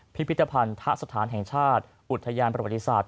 พิพิธภัณฑสถานแห่งชาติอุทยานประวัติศาสต